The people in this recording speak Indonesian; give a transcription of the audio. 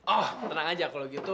oh tenang aja kalau gitu